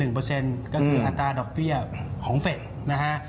ก็คืออัตราดอกเบี้ยของเฟสนะฮะ